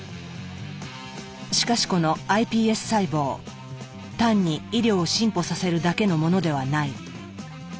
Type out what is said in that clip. しかしこのｉＰＳ細胞単に医療を進歩させるだけのものではない。